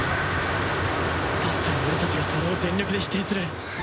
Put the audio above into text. だったら俺たちがそれを全力で否定する。